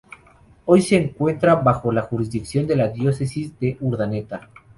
Hoy se encuentra bajo la jurisdicción de la diócesis de Urdaneta.